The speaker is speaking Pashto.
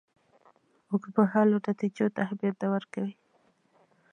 اوږدمهالو نتیجو ته اهمیت نه ورکوي.